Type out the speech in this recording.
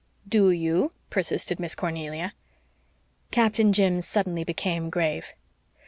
"DO you?" persisted Miss Cornelia. Captain Jim suddenly became grave.